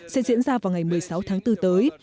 sẽ diễn ra vào ngày một mươi sáu tháng bốn tới